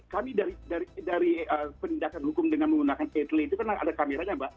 kami dari penindakan hukum dengan menggunakan etelit itu kan ada kameranya mbak